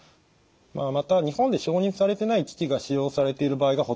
また日本で承認されてない機器が使用されている場合がほとんどです。